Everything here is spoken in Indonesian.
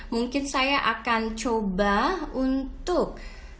mungkin saya akan coba untuk